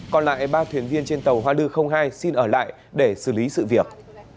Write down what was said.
còn lại ba thuyền viên trên tàu hoa lư hai xin ở lại để xử lý sự việc